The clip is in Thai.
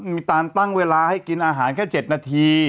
มีการตั้งเวลาให้กินอาหารแค่๗นาที